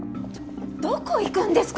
どこ行くんですか？